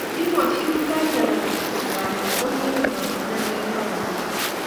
Kimwochin Kimutai Jelagat kole amakoi kowendot inekei yekatuit